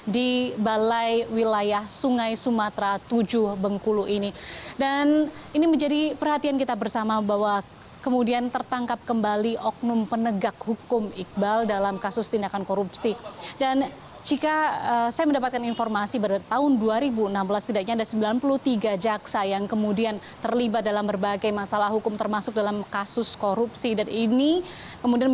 dan pengusutan kasus korupsi pembangunan